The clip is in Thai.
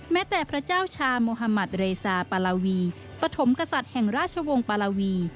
แม้แต่พระเจ้าชาโมฮามัติเรซาปาลาวีปฐมกษัตริย์แห่งราชวงศ์ปาลาวี